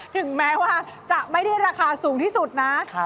ถึงแม้ว่าจะไม่ได้ราคาสูงที่สุดนะ